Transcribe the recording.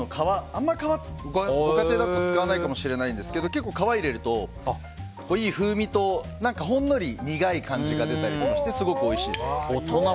あんまり皮、ご家庭だと使わないかもしれないんですが皮を入れるといい風味と、ほんのり苦い感じが出たりとかしてすごくおいしいです。